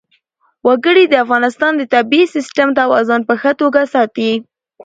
وګړي د افغانستان د طبعي سیسټم توازن په ښه توګه ساتي.